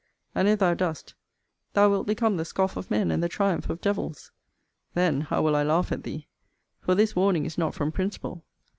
And if thou dost, thou wilt become the scoff of men, and the triumph of devils. Then how will I laugh at thee! For this warning is not from principle.